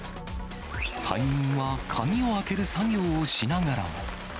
隊員は鍵を開ける作業をしながらも。